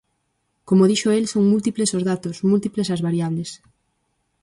Como dixo el, son múltiples os datos, múltiples as variables.